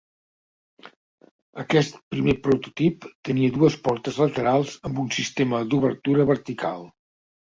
Aquest primer prototip tenia dues portes laterals amb un sistema d'obertura vertical.